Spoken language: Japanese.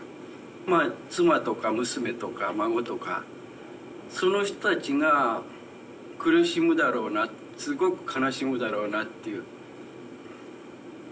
まあ妻とか娘とか孫とかその人たちが苦しむだろうなすごく悲しむだろうなっていう」。